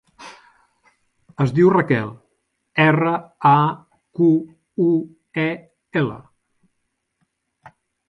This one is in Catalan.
Es diu Raquel: erra, a, cu, u, e, ela.